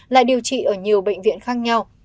lại điều trị ở nhiều bệnh viện khác nhau